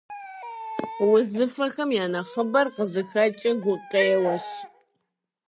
Узыфэхэм я нэхъыбэр къызыхэкӏыр гукъеуэщ.